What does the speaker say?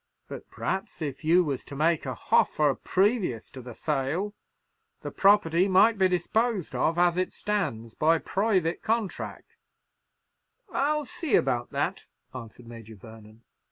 But p'raps if you was to make a hoffer previous to the sale, the property might be disposed of as it stands by private contrack" "I'll see about that," answered Major Vernon.